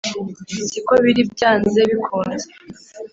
Si ko biri byanze bikunze